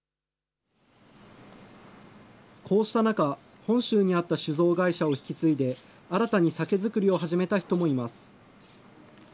こうした中、本州にあった酒造会社を引き継いで、新たに酒造りを始めた人もいます。